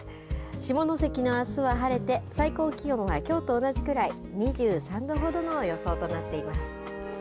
下関のあすは晴れて、最高気温がきょうと同じくらい、２３度ほどの予想となっています。